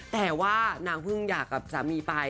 แต่ว่านางเพิ่งอยากกับสามีไป